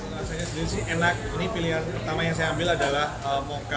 rasa es krim sih enak ini pilihan pertama yang saya ambil adalah mocha